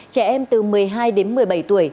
trẻ em từ một mươi hai đến một mươi bảy tuổi